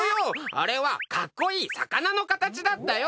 あれはかっこいい魚の形だったよ！